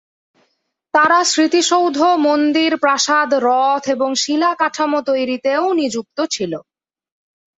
তারা স্মৃতিসৌধ, মন্দির, প্রাসাদ, রথ এবং শিলা কাঠামো তৈরিতেও নিযুক্ত ছিল।